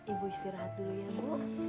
ibu istirahat dulu ya bu